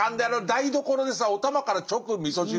台所でさおたまから直みそ汁。